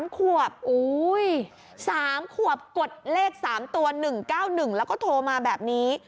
๓ขวบ๓ขวบกดเลข๓ตัว๑๙๑แล้วก็โทรมาแบบนี้